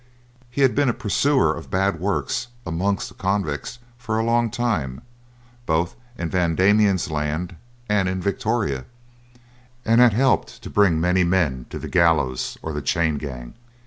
He had been a pursuer of bad works amongst the convicts for a long time, both in Van Diemen's Land and in Victoria, and had helped to bring many men to the gallows or the chain gang.